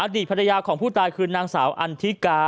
ดีตภรรยาของผู้ตายคือนางสาวอันทิกา